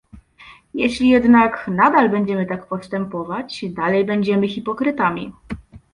Jeśli jednak nadal będziemy tak postępować, dalej będziemy hipokrytami